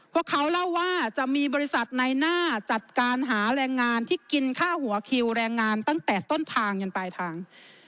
พวกเขาเล่าว่าจะมีบริษัทในหน้าจัดการหาแรงงานที่กินค่าหัวคิวแรงงานตั้งแต่ต้นทางจนปลายทาง